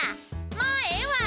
もうええわ！